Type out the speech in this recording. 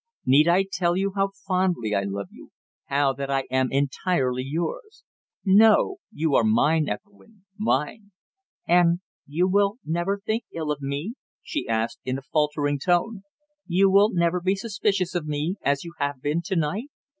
"Need I tell you how fondly I love you how that I am entirely yours? No. You are mine, Ethelwynn mine." "And you will never think ill of me?" she asked, in a faltering tone. "You will never be suspicious of me as you have been to night?